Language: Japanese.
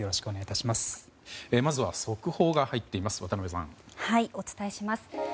お伝えします。